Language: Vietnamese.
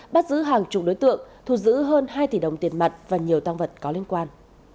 bắt giữ hàng chục đối tượng thu giữ hơn hai tỷ đồng tiền mặt và nhiều tăng vật có liên quan